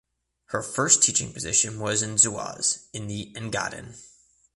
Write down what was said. Her first teaching position was in Zuoz in the Engadin.